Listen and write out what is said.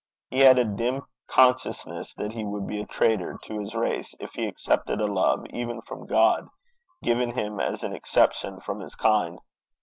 He had a dim consciousness that he would be a traitor to his race if he accepted a love, even from God, given him as an exception from his kind.